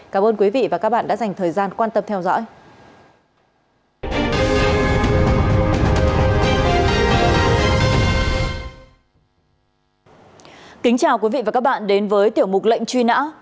cảm ơn quý vị và các bạn đã dành cho chúng tôi